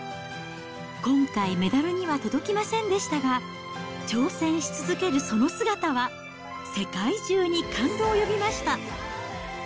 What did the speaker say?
今回メダルには届きませんでしたが、挑戦し続けるその姿は、世界中に感動を呼びました。